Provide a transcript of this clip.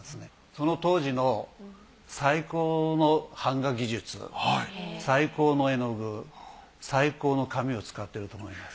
その当時の最高の版画技術最高の絵の具最高の紙を使っていると思います。